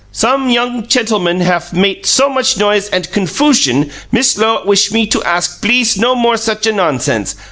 Some young chentlemen haf mate so much noise ant confoosion Miss Lowe wish me to ask bleace no more such a nonsense.